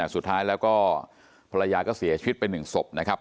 สุดท้ายแล้วก็ภรรยาก็เสียชีวิตไป๑ศพนะครับ